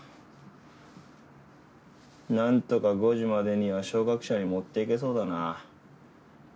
なんとか５時までには小学社に持って行けそうだな。